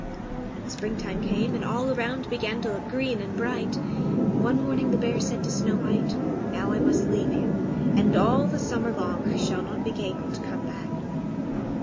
When springtime came, and all around began to look green and bright, one morning the bear said to Snow White, "Now I must leave you, and all the summer long I shall not be able to come back."